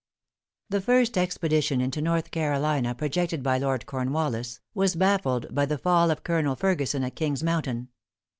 |The first expedition into North Carolina projected by Lord Cornwallis, was baffled by the fall of Colonel Ferguson at King's Mountain.